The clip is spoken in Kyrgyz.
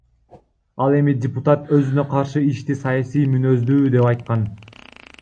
Ал эми депутат өзүнө каршы ишти саясий мүнөздүү деп айткан.